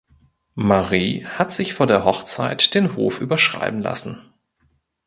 Marie hat sich vor der Hochzeit den Hof überschreiben lassen.